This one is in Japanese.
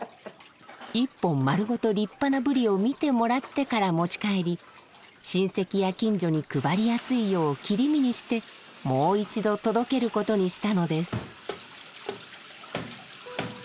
１本丸ごと立派なブリを見てもらってから持ち帰り親戚や近所に配りやすいよう切り身にしてもう一度届けることにしたのです。